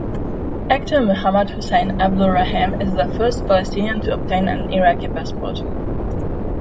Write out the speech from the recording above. Actor Muhammad Hussein Abdul Rahim is the first Palestinian to obtain an Iraqi passport.